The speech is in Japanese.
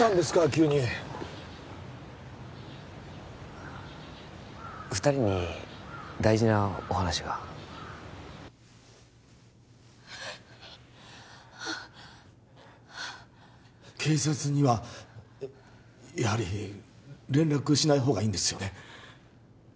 急に二人に大事なお話が警察にはやはり連絡しないほうがいいんですよね？